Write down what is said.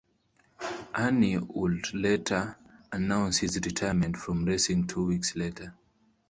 Ernie would later announce his retirement from racing two weeks later.